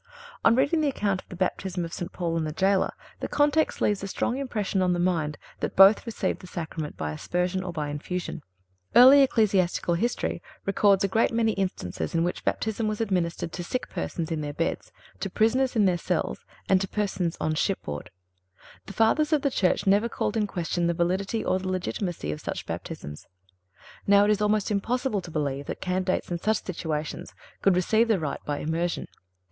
On reading the account of the Baptism of St. Paul and the jailer the context leaves a strong impression on the mind that both received the Sacrament by aspersion or by infusion. Early ecclesiastical history records a great many instances in which Baptism was administered to sick persons in their beds, to prisoners in their cells, and to persons on shipboard. The Fathers of the Church never called in question the validity or the legitimacy of such Baptisms. Now, it is almost impossible to believe that candidates in such situations could receive the rite by immersion.